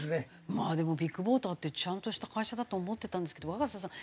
まあでもビッグモーターってちゃんとした会社だと思ってたんですけど若狭さん